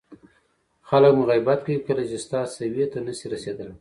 خلک مو غیبت کوي کله چې ستا سویې ته نه شي رسېدلی.